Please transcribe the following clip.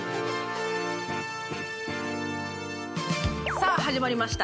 さあ始まりました